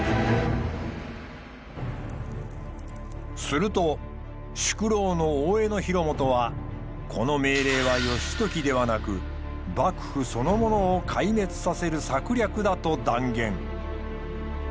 すると宿老の大江広元はこの命令は義時ではなく幕府そのものを壊滅させる策略だと断言。